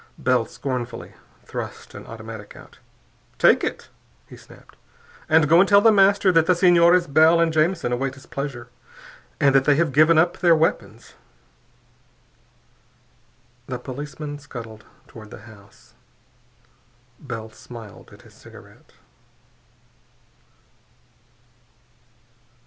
Bell scornfully thrust an automatic out. "Take it," he snapped. "And go and tell The Master that the Senores Bell and Jamison await his pleasure, and that they have given up their weapons." The policeman scuttled toward the house. Bell smiled at his cigarette.